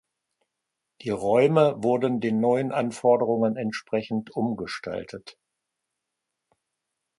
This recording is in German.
Die Räume wurden den neuen Anforderungen entsprechend umgestaltet.